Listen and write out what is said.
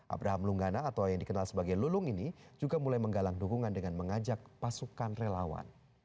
abraham lunggana atau yang dikenal sebagai lulung ini juga mulai menggalang dukungan dengan mengajak pasukan relawan